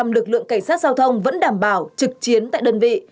một trăm linh lực lượng cảnh sát giao thông vẫn đảm bảo trực chiến tại đơn vị